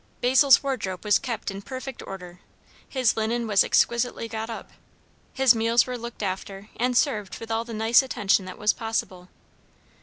Basil's wardrobe was kept in perfect order; his linen was exquisitely got up; his meals were looked after, and served with all the nice attention that was possible.